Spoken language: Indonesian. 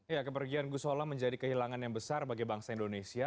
ya kepergian gusola menjadi kehilangan yang besar bagi bangsa indonesia